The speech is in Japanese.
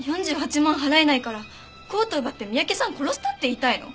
４８万払えないからコートを奪って三宅さんを殺したって言いたいの？